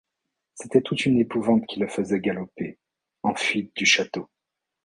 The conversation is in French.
C’était toute une épouvante qui le faisait galoper, en fuite du Château.